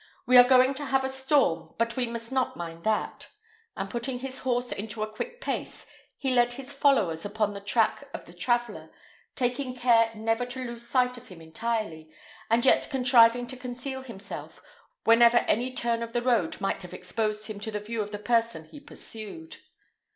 "We are going to have a storm, but we must not mind that;" and putting his horse into a quick pace, he led his followers upon the track of the traveller, taking care never to lose sight of him entirely, and yet contriving to conceal himself, whenever any turn of the road might have exposed him to the view of the person he pursued.